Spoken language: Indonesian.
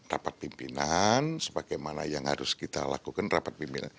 rapat pimpinan sebagaimana yang harus kita lakukan rapat pimpinan